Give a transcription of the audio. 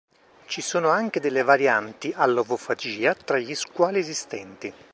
Ci sono anche delle varianti all'ovofagia tra gli squali esistenti.